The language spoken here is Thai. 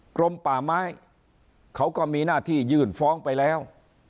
กรมป่าไม้เขาก็มีหน้าที่ยื่นฟ้องไปแล้ว